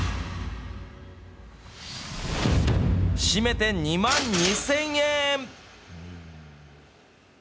締めて２万２０００円。